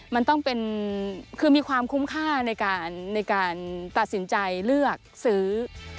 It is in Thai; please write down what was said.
มันต้องเป็นคือมีความคุ้มค่าในการตัดสินใจเลือกซื้อ